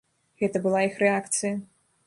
Гэта была іх рэакцыя.